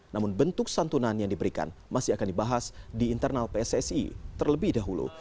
namun bentuk santunan yang diberikan masih akan dibahas di internal pssi terlebih dahulu